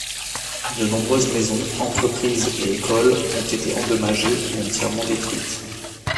De nombreuses maisons, entreprises, et écoles ont été endommagées ou entièrement détruites.